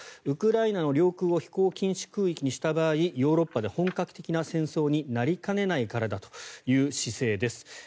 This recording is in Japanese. ウクライナの領空を飛行禁止空域にした場合ヨーロッパで本格的な戦争になりかねないからだという姿勢です。